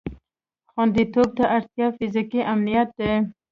خوندیتوب ته اړتیا فیزیکي امنیت ده.